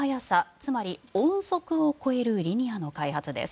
つまり音速を超えるリニアの開発です。